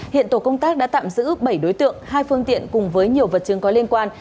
hiện tổ công tác đã tạm giữ bảy đối tượng hai phương tiện cùng với nhiều vật chứng có liên quan